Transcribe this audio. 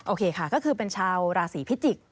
โอเคค่ะก็คือเป็นชาวราศีพิจิกษ